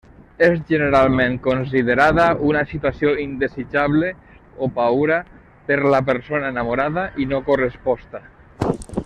És generalment considerada una situació indesitjable o paüra per la persona enamorada i no corresposta.